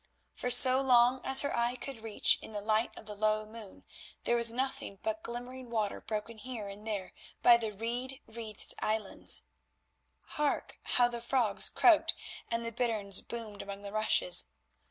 For so far as her eye could reach in the light of the low moon there was nothing but glimmering water broken here and there by the reed wreathed islands. Hark! how the frogs croaked and the bitterns boomed among the rushes.